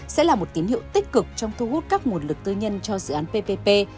sẽ là một tín hiệu tích cực trong thu hút các nguồn lực tư nhân cho dự án ppp